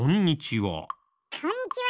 こんにちは。